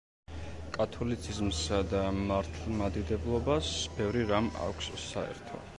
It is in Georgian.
კათოლიციზმსა და მართლმადიდებლობას ბევრი რამ აქვს საერთო.